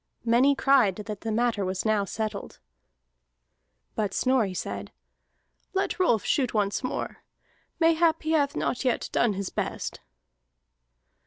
Many cried that the matter was now settled. But Snorri said: "Let Rolf shoot once more. Mayhap he hath not yet done his best."